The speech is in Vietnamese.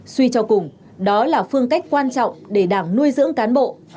suy cho cùng đó là phương cách quan trọng để đảng nuôi dưỡng cán bộ